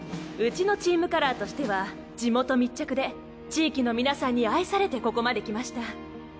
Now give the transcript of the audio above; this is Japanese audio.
うちのチームカラーとしては地元密着で地域の皆さんに愛されてここまできました。